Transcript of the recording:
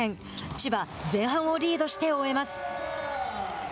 千葉、前半をリードして終えます。